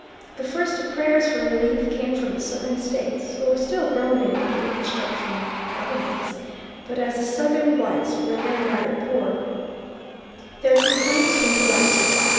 The first prayers for relief came from the Southern states, who were still groaning under reconstruction governments; but as the Southern whites were then rather poor, their complaints were neglected.